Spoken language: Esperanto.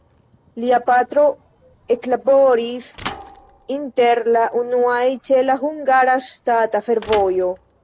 Lia patro eklaboris inter la unuaj ĉe la Hungara Ŝtata Fervojo.